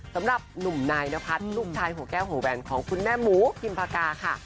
สำหรับหนุ่มนายนพัฒน์ลูกชายหัวแก้วหัวแหวนของคุณแม่หมูพิมพากาค่ะ